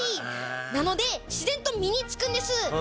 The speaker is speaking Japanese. なので自然と身につくんです。